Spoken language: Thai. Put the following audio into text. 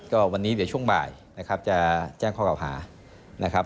ก็วันนี้เดี๋ยวช่วงบ่ายจะแจ้งข้อกล่าวหานะครับ